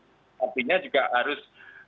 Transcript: artinya juga harus